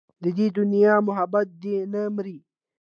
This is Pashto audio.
د دې دنيا نه محبت دې نه مري